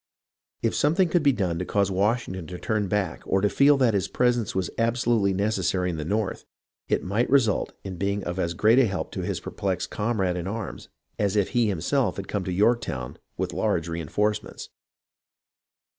If something could be done to cause Washington to turn back or to feel that his presence was absolutely necessary in the North, it might result in being of as great help to his perplexed comrade in arms as if he himself had come to Yorktown with large reenforcements.